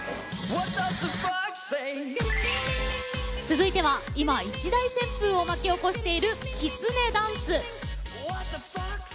続いては今、一大旋風を巻き起こしているきつねダンス。